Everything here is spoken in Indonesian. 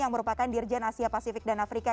yang merupakan dirjen asia pasifik dan afrika